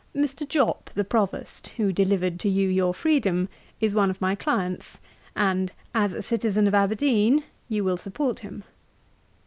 Mr. Jopp, the Provost, who delivered to you your freedom, is one of my clients, and, as a citizen of Aberdeen, you will support him.